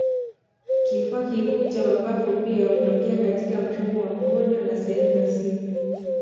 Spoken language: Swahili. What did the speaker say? kifua kikuu cha mapafu pia hutokea katika mfumo wa mkojo na sehemu za siri